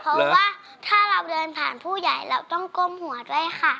เพราะว่าถ้าเราเดินผ่านผู้ใหญ่เราต้องก้มหัวด้วยค่ะ